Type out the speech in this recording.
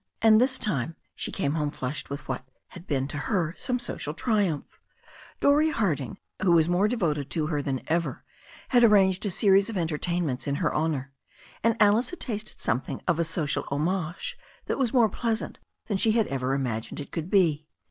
And this time she came home flushed with what had been to her some social triumph. Dorrie Harding, who was more devoted to her than ever, had ar ranged a series of entertainments in her honour, and Alice had tasted something of a social homage that was more pleasant than she had ever imagined it could be.